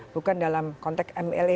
bukan dalam konteks mle